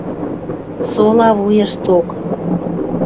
Сола вуйышток...